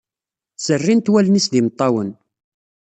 Serrint walen-is d imeṭṭawen.